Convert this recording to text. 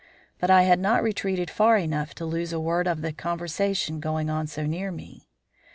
But I had not retreated far enough to lose a word of the conversation going on so near me.